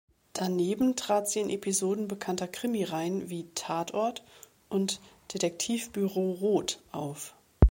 Daneben trat sie in Episoden bekannter Krimireihen wie "Tatort" und "Detektivbüro Roth" auf.